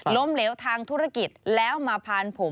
ล้มเหลวทางธุรกิษฐ์